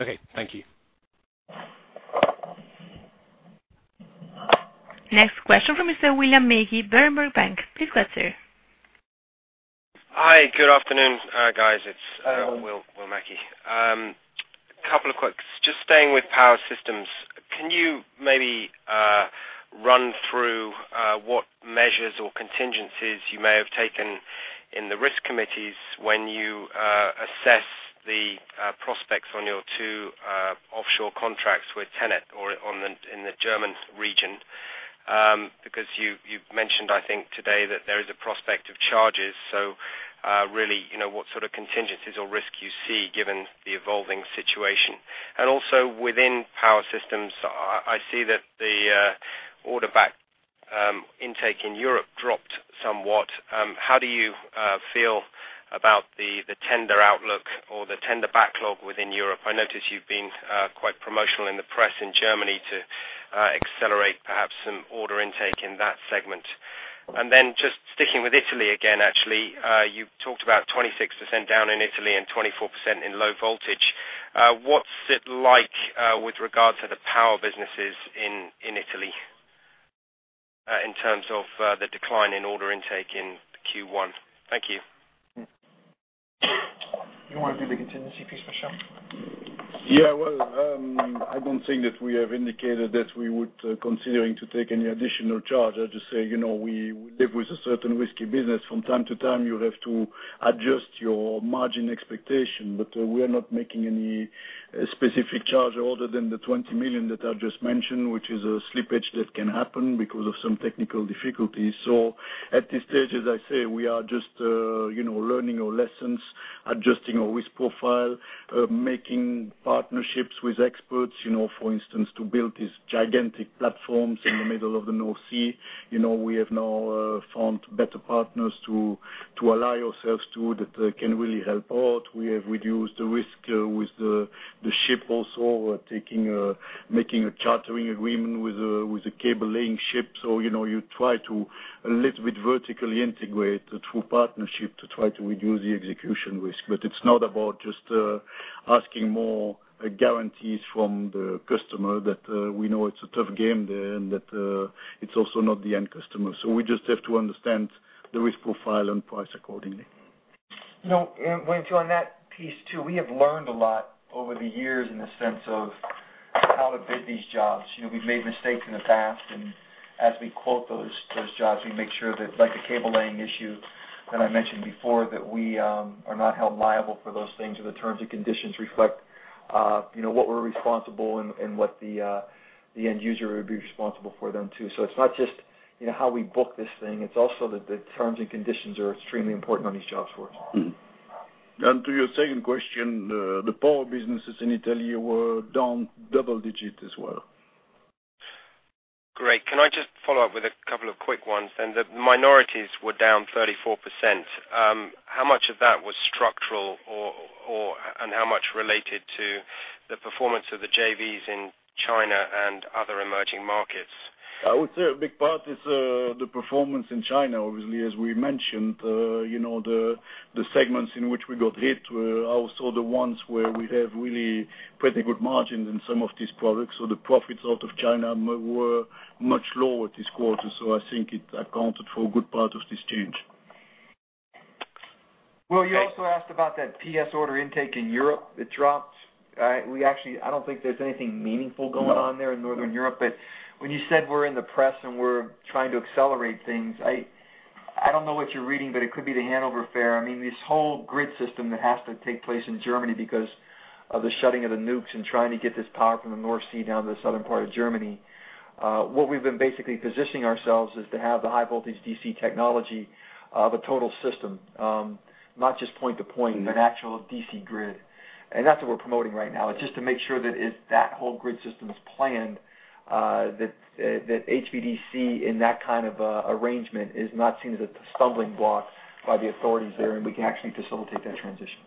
Okay. Thank you. Next question from Mr. William Mackie, Berenberg Bank. Please go ahead. Hi. Good afternoon, guys. It's Will Mackie. A couple of quick, just staying with power systems, can you maybe run through what measures or contingencies you may have taken in the risk committees when you assess the prospects on your two offshore contracts with TenneT or in the German region? You mentioned, I think, today that there is a prospect of charges. Really, what sort of contingencies or risk you see given the evolving situation? Also, within power systems, I see that the order intake in Europe dropped somewhat. How do you feel about the tender outlook or the tender backlog within Europe? I noticed you've been quite promotional in the press in Germany to accelerate perhaps some order intake in that segment. Just sticking with Italy again, actually, you talked about 26% down in Italy and 24% in low voltage. What's it like with regards to the power businesses in Italy in terms of the decline in order intake in Q1? Thank you. You want to do the contingency piece, Michel? I don't think that we have indicated that we would consider taking any additional charge. I just say, you know, we live with a certain risky business. From time to time, you have to adjust your margin expectation, but we are not making any specific charge other than the $20 million that I just mentioned, which is a slippage that can happen because of some technical difficulties. At this stage, as I say, we are just learning our lessons, adjusting our risk profile, making partnerships with experts, for instance, to build these gigantic platforms in the middle of the North Sea. We have now found better partners that can really help out. We have reduced the risk with the ship, also making a chartering agreement with a cable-laying ship. You try to vertically integrate a little bit through partnership to try to reduce the execution risk. It's not about just asking more guarantees from the customer. We know it's a tough game there and that it's also not the end customer. We just have to understand the risk profile and price accordingly. You know, going through on that piece too, we have learned a lot over the years in the sense of how to bid these jobs. We've made mistakes in the past. As we quote those jobs, we make sure that, like the cable-laying issue that I mentioned before, we are not held liable for those things or the terms and conditions reflect what we're responsible for and what the end user would be responsible for too. It's not just how we book this thing. It's also that the terms and conditions are extremely important on these jobs for us. To your second question, the power businesses in Italy were down double digit as well. Great. Can I just follow up with a couple of quick ones? The minorities were down 34%. How much of that was structural, and how much related to the performance of the JVs in China and other emerging markets? I would say a big part is the performance in China, obviously, as we mentioned. The segments in which we got hit were also the ones where we have really pretty good margins in some of these products. The profits out of China were much lower this quarter. I think it accounted for a good part of this change. You also asked about that PS order intake in Europe. It dropped. I don't think there's anything meaningful going on there in Northern Europe. When you said we're in the press and we're trying to accelerate things, I don't know what you're reading, but it could be the Hanover fair. I mean, this whole grid system that has to take place in Germany because of the shutting of the nukes and trying to get this power from the North Sea down to the southern part of Germany. What we've been basically positioning ourselves is to have the high voltage DC technology of a total system, not just point-to-point, but an actual DC grid. That's what we're promoting right now. It's just to make sure that if that whole grid system is planned, HVDC in that kind of arrangement is not seen as a stumbling block by the authorities there, and we can actually facilitate that transition.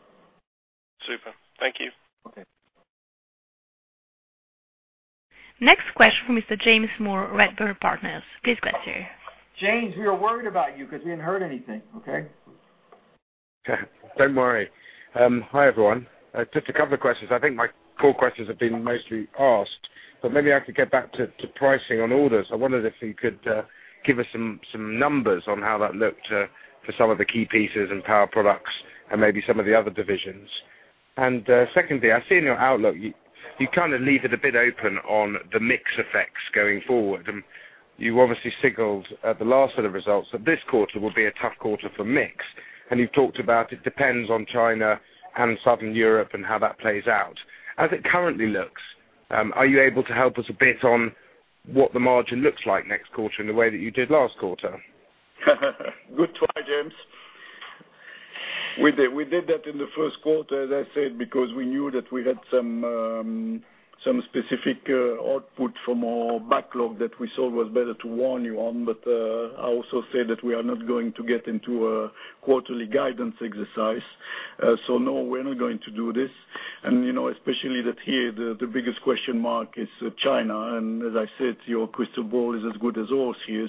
Super. Thank you. Okay. Next question from Mr. James Moore, Redburn Partners. Please go ahead. James, we are worried about you because we didn't hear anything. Okay. Don't worry. Hi, everyone. Just a couple of questions. I think my core questions have been mostly asked, but maybe I could get back to pricing on orders. I wondered if you could give us some numbers on how that looked for some of the key pieces in power products and maybe some of the other divisions. Secondly, I see in your outlook, you kind of leave it a bit open on the mix effects going forward. You obviously signaled at the last set of results that this quarter will be a tough quarter for mix. You've talked about it depends on China and Southern Europe and how that plays out. As it currently looks, are you able to help us a bit on what the margin looks like next quarter in the way that you did last quarter? Good try, James. We did that in the first quarter, as I said, because we knew that we had some specific output from our backlog that we saw was better to warn you on. I also said that we are not going to get into a quarterly guidance exercise. No, we're not going to do this. You know, especially that here, the biggest question mark is China. As I said, your crystal ball is as good as ours here.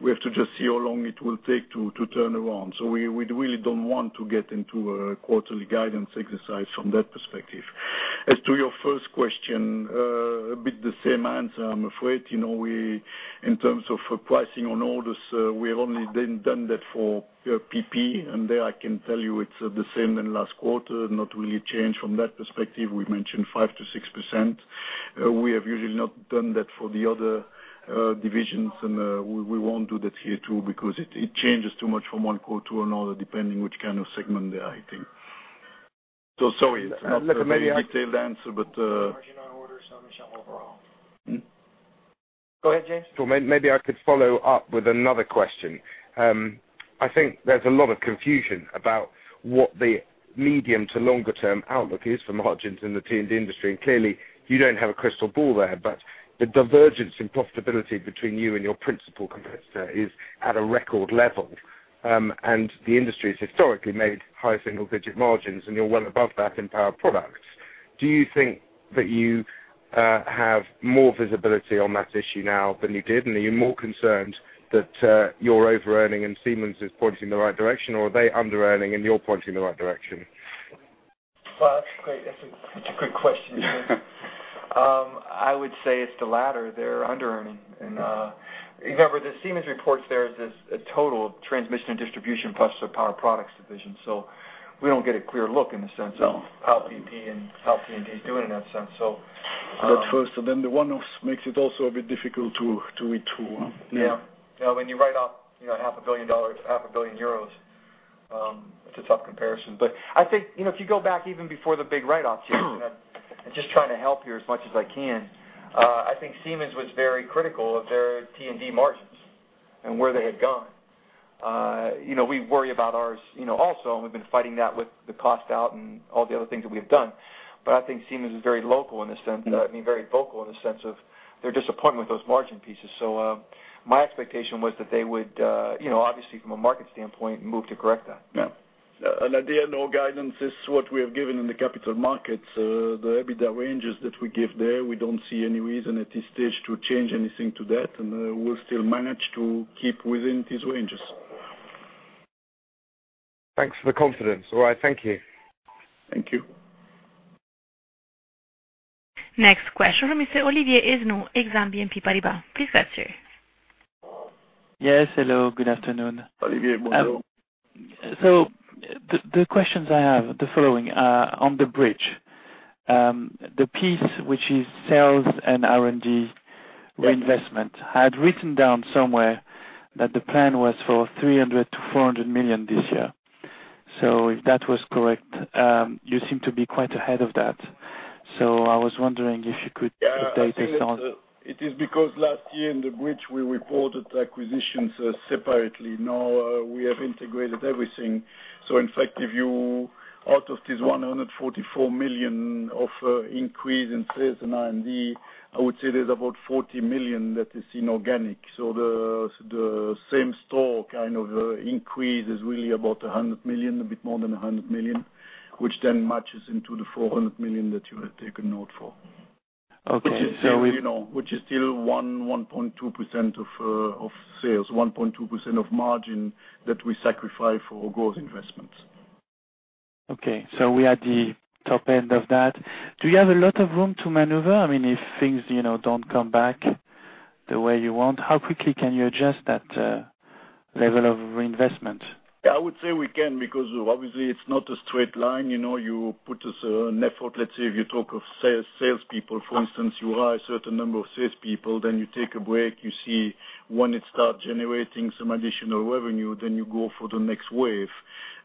We have to just see how long it will take to turn around. We really don't want to get into a quarterly guidance exercise from that perspective. As to your first question, a bit the same answer, I'm afraid. In terms of pricing on orders, we have only done that for PP. There I can tell you it's the same as last quarter, not really changed from that perspective. We mentioned 5%-6%. We have usually not done that for the other divisions. We won't do that here too because it changes too much from one quarter to another, depending on which kind of segment they are hitting. Sorry. No, listen. Maybe I can tell the answer. Go ahead, James. Maybe I could follow up with another question. I think there's a lot of confusion about what the medium to longer-term outlook is for margins in the T&D industry. Clearly, you don't have a crystal ball there, but the divergence in profitability between you and your principal competitor is at a record level. The industry has historically made high single-digit margins, and you're well above that in power products. Do you think that you have more visibility on that issue now than you did? Are you more concerned that you're over-earning and Siemens is pointing in the right direction, or are they under-earning and you're pointing in the right direction? That's a good question, because I would say it's the latter. They're under-earning. Remember, the Siemens reports there is a total transmission and distribution plus the power products division. We don't get a clear look in the sense of how PP and how T&D is doing in that sense. I look first, and then the one makes it also a bit difficult to read through. Yeah. When you write up, you know, $500 million, €500 million, it's a tough comparison. I think, you know, if you go back even before the big write-off change, and I'm just trying to help here as much as I can, I think Siemens was very critical of their T&D margins and where they had gone. We worry about ours, you know, also, and we've been fighting that with the cost out and all the other things that we've done. I think Siemens is very vocal in the sense of their disappointment with those margin pieces. My expectation was that they would, you know, obviously, from a market standpoint, move to correct that. Our guidance is what we have given in the capital markets. The EBITDA ranges that we give there, we don't see any reason at this stage to change anything to that. We'll still manage to keep within these ranges. Thanks for the confidence. All right, thank you. Thank you. Next question from Mr. Olivier Esnou, ex-BNP Paribas Exane. Please go ahead. Yes, hello. Good afternoon. Olivier, bonjour. The questions I have are the following. On the bridge, the piece which is sales and R&D reinvestment, I had written down somewhere that the plan was for $300-$400 million this year. If that was correct, you seem to be quite ahead of that. I was wondering if you could update us on that. Yeah. It is because last year in the bridge, we reported acquisitions separately. Now we have integrated everything. In fact, if you out of these $144 million of increase in sales and R&D, I would say there's about $40 million that is inorganic. The same store kind of increase is really about $100 million, a bit more than $100 million, which then matches into the $400 million that you have taken note for. Okay. We. Which is still 1.2% of sales, 1.2% of margin that we sacrifice for those investments. Okay. We are at the top end of that. Do you have a lot of room to maneuver? I mean, if things don't come back the way you want, how quickly can you adjust that level of reinvestment? I would say we can because obviously, it's not a straight line. You know, you put an effort, let's say, if you talk of salespeople, for instance, you hire a certain number of salespeople, then you take a break. You see when it starts generating some additional revenue, then you go for the next wave.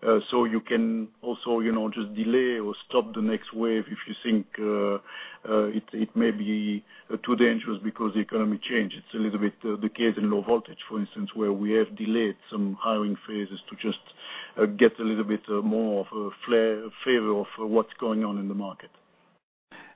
You can also just delay or stop the next wave if you think it may be too dangerous because the economy changes. It's a little bit the case in low voltage, for instance, where we have delayed some hiring phases to just get a little bit more of a flavor of what's going on in the market.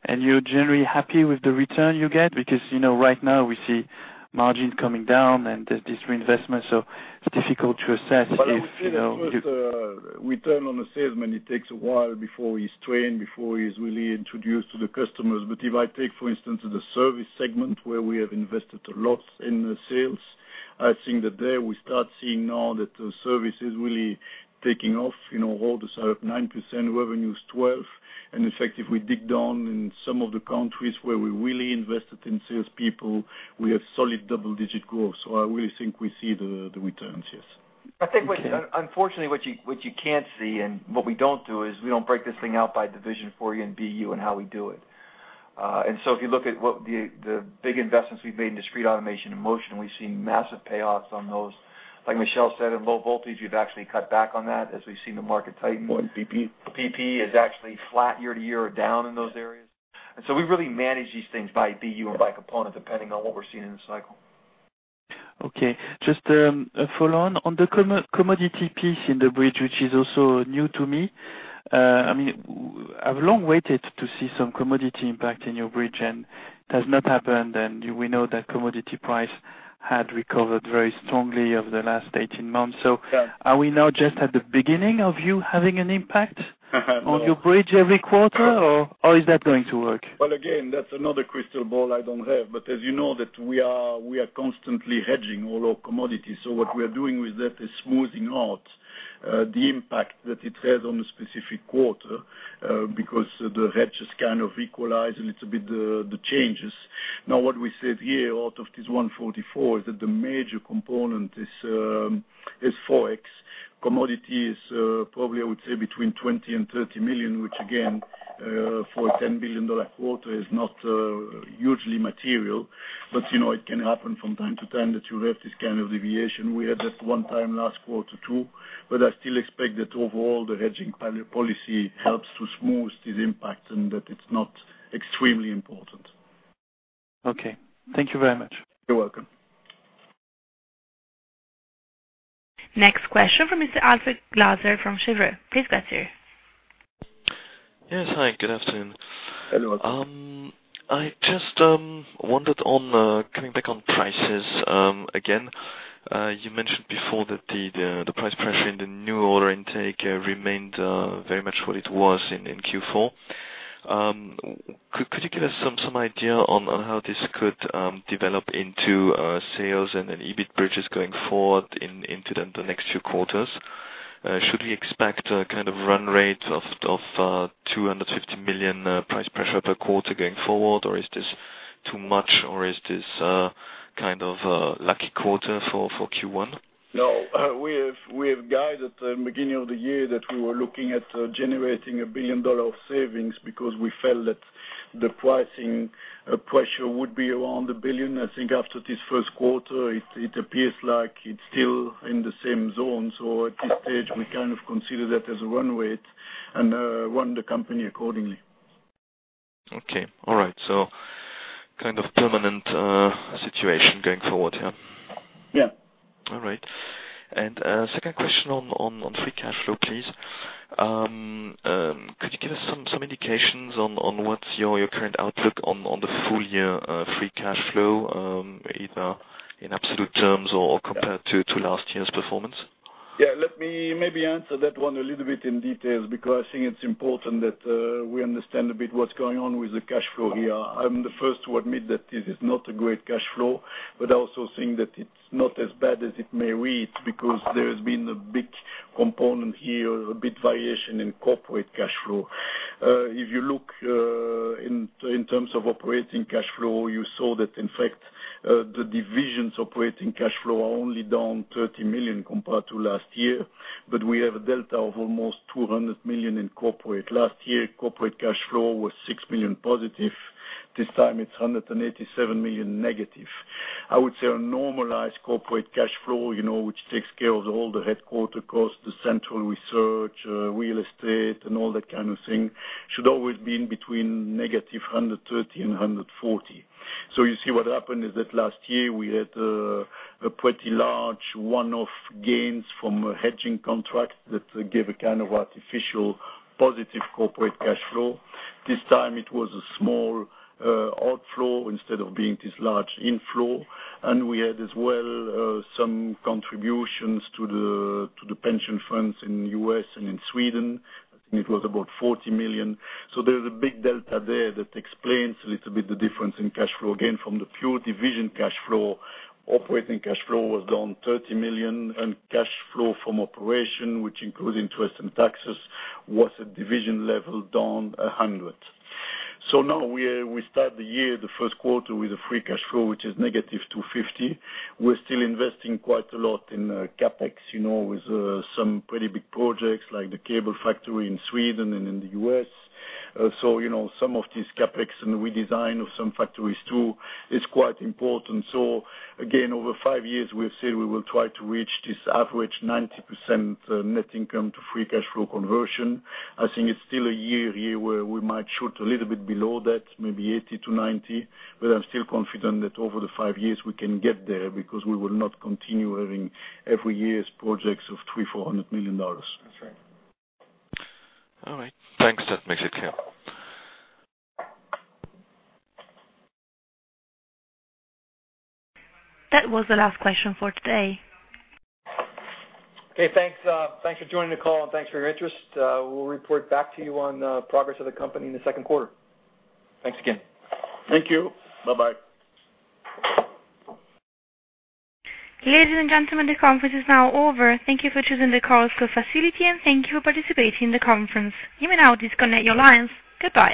You're generally happy with the return you get because, you know, right now we see margins coming down and there's this reinvestment. It's difficult to assess if. We see a return on the salesman. It takes a while before he's trained, before he's really introduced to the customers. If I take, for instance, the service segment where we have invested a lot in sales, I think that there we start seeing now that the service is really taking off. You know, holders are up 9%, revenue is 12%. In fact, if we dig down in some of the countries where we really invested in salespeople, we have solid double-digit growth. I really think we see the returns, yes. I think what you, unfortunately, can't see and what we don't do is we don't break this thing out by division for you and BU and how we do it. If you look at what the big investments we've made in discrete automation and motion, we've seen massive payoffs on those. Like Michel said, in low voltage, we've actually cut back on that as we've seen the market tighten more. PP is actually flat year to year down in those areas. We really manage these things by BU and by component, depending on what we're seeing in the cycle. Okay. Just a follow-on on the commodity piece in the bridge, which is also new to me. I mean, I've long waited to see some commodity impact in your bridge, and it has not happened. We know that commodity price had recovered very strongly over the last 18 months. Are we now just at the beginning of you having an impact on your bridge every quarter, or is that going to work? That's another crystal ball I don't have. As you know, we are constantly hedging all our commodities. What we are doing with that is smoothing out the impact that it has on a specific quarter because the hedge kind of equalizes a little bit the changes. What we said here out of this $144 million is that the major component is Forex. Commodity is probably, I would say, between $20 million and $30 million, which again, for a $10 billion quarter is not hugely material. It can happen from time to time that you have this kind of deviation. We had that one time last quarter too. I still expect that overall the hedging policy helps to smooth this impact and that it's not extremely important. Okay, thank you very much. You're welcome. Next question from Mr. Alfred Glaser from Kepler Cheuvreux. Please go ahead. Yes, hi. Good afternoon. Hello. I just wondered on coming back on prices again. You mentioned before that the price pressure in the new order intake remained very much what it was in Q4. Could you give us some idea on how this could develop into sales and EBIT bridges going forward into the next few quarters? Should we expect a kind of run rate of $250 million price pressure per quarter going forward, or is this too much, or is this kind of a lucky quarter for Q1? No. We have guided at the beginning of the year that we were looking at generating $1 billion of savings because we felt that the pricing pressure would be around $1 billion. I think after this first quarter, it appears like it's still in the same zone. At this stage, we kind of consider that as a run rate and run the company accordingly. All right. So kind of a dominant situation going forward here. Yeah. All right. Second question on free cash flow, please. Could you give us some indications on what's your current outlook on the full-year free cash flow, either in absolute terms or compared to last year's performance? Yeah. Let me maybe answer that one a little bit in detail because I think it's important that we understand a bit what's going on with the cash flow here. I'm the first to admit that this is not a great cash flow, but I also think that it's not as bad as it may read because there has been a big component here, a bit variation in corporate cash flow. If you look in terms of operating cash flow, you saw that, in fact, the divisions' operating cash flow are only down $30 million compared to last year. We have a delta of almost $200 million in corporate. Last year, corporate cash flow was $6 million positive. This time, it's $187 million negative. I would say a normalized corporate cash flow, you know, which takes care of all the headquarter costs, the central research, real estate, and all that kind of thing, should always be in between negative $130 million and $140 million. You see what happened is that last year, we had pretty large one-off gains from a hedging contract that gave a kind of artificial positive corporate cash flow. This time, it was a small outflow instead of being this large inflow. We had as well some contributions to the pension funds in the U.S. and in Sweden. It was about $40 million. There's a big delta there that explains a little bit the difference in cash flow. Again, from the pure division cash flow, operating cash flow was down $30 million, and cash flow from operation, which includes interest and taxes, was at division level down $100 million. Now we start the year, the first quarter, with a free cash flow, which is negative $250 million. We're still investing quite a lot in CapEx, you know, with some pretty big projects like the cable factory in Sweden and in the U.S. Some of these CapEx and redesign of some factories too is quite important. Over five years, we have said we will try to reach this average 90% net income to free cash flow conversion. I think it's still a year here where we might shoot a little bit below that, maybe 80%-90%, but I'm still confident that over the five years, we can get there because we will not continue having every year's projects of $300 million, $400 million. That's right. All right, thanks. That makes it clear. That was the last question for today. Okay. Thanks. Thanks for joining the call and thanks for your interest. We'll report back to you on the progress of the company in the second quarter. Thanks again. Thank you. Bye-bye. Ladies and gentlemen, the conference is now over. Thank you for choosing the CallSco facility, and thank you for participating in the conference. You may now disconnect your lines. Goodbye.